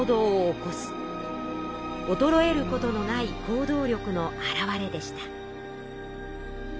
おとろえることのない行動力の表れでした。